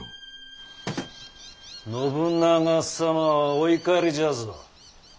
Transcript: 信長様はお怒りじゃぞ。